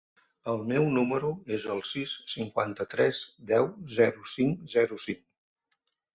El meu número es el sis, cinquanta-tres, deu, zero, cinc, zero, cinc.